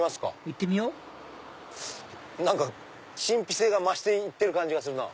行ってみよう何か神秘性が増していってる感じがするな。